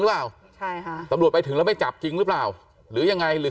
หรือเปล่าใช่ค่ะตำรวจไปถึงแล้วไม่จับจริงหรือเปล่าหรือยังไงหรือ